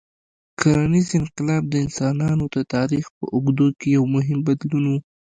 کرنيز انقلاب د انسانانو د تاریخ په اوږدو کې یو مهم بدلون و.